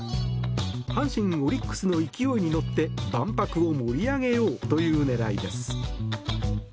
阪神、オリックスの勢いに乗って万博を盛り上げようという狙いです。